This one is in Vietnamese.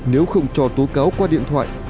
nếu không cho tố cáo qua điện thoại